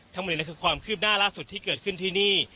ทั้งหมดนี้คือความคืบหน้าล่าสุดที่เกิดขึ้นที่นี่